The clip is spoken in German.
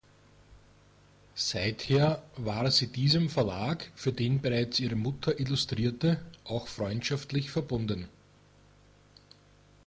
Seither war sie diesem Verlag, für den bereits ihre Mutter illustrierte, auch freundschaftlich verbunden.